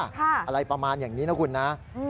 อะไรประมาณอย่างนี้นะคุณนะ